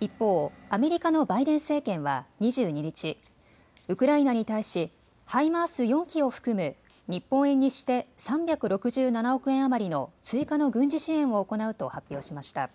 一方、アメリカのバイデン政権は２２日、ウクライナに対しハイマース４基を含む日本円にして３６７億円余りの追加の軍事支援を行うと発表しました。